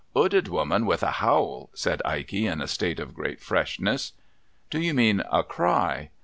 ' 'Ooded woman with a howl,' said Ikey, in a state of great freshness. ' Do you mean a cry